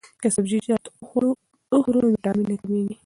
که سبزیجات وخورو نو ویټامین نه کمیږي.